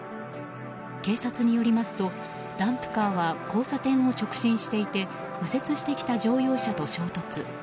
警察によりますとダンプカーは交差点を直進していて右折してきた乗用車と衝突。